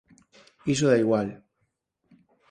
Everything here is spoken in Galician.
Iso dá igual.